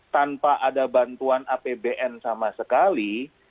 tanpa ada bantuan apbn sama sekali